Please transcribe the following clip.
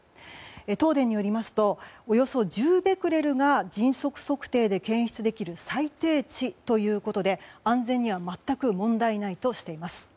東電によりますとおよそ１０ベクレルが迅速測定で検出できる最低値ということで安全には全く問題ないとしています。